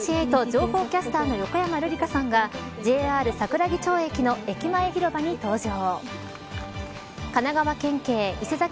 情報キャスターの横山ルリカさんがＪＲ桜木町駅の駅前広場に登場。